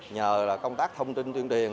nhờ công tác thông tin tuyên truyền